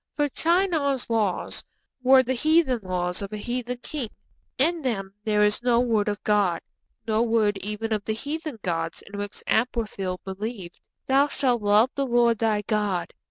For Shinar's laws were the heathen laws of a heathen king; in them there is no word of God; no word even of the heathen gods in which Amraphel believed. '_Thou shalt love the Lord thy God